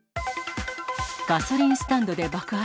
ガソリンスタンドで爆発。